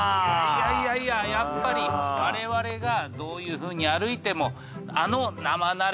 いやいややっぱり我々がどういうふうに歩いてもあの生ナレ。